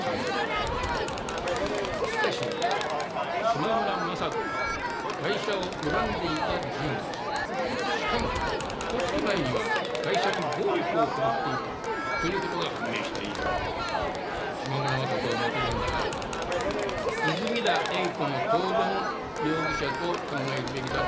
しかし島村昌子がガイシャを恨んでいた人物しかもひと月前にはガイシャに暴力を振るっていたという事が判明した以上島村昌子はもちろんだが泉田栄子も当然容疑者と考えるべきだと思う。